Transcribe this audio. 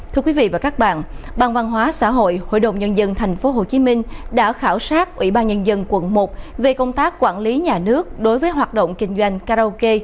thưa quý vị và các bạn ban văn hóa xã hội hội đồng nhân dân tp hcm đã khảo sát ủy ban nhân dân quận một về công tác quản lý nhà nước đối với hoạt động kinh doanh karaoke